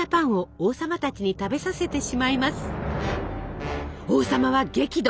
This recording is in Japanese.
王様は激怒。